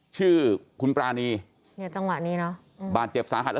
ชื่อคุณปรานีบาดเจ็บสาหัสแล้วเสียชีวิต